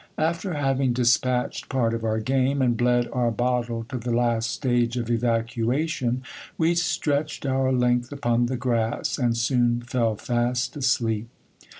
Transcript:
After having despatched part of our game, and bled our bottle to the last stage of evacuation, we stretched our length upon the grass, and soon fell fast asleep.